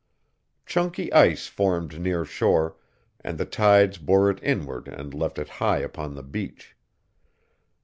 Chunky ice formed near shore, and the tides bore it inward and left it high upon the beach.